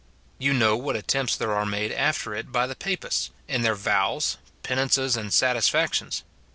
You know what attempts there are made after it by the Papists, in their vows, penances, and satisfactions.